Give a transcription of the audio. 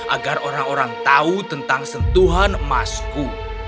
agar orang orang tahu tentang sentuhan emasku